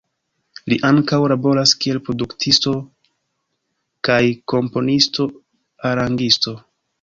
Li ankaŭ laboras kiel produktisto kaj komponisto-arangisto.